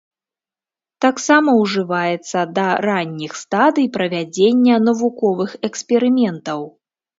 Таксама ўжываецца да ранніх стадый правядзення навуковых эксперыментаў.